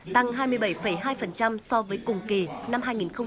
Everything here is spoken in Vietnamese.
tăng hai mươi bảy hai so với cùng kỳ năm hai nghìn một mươi tám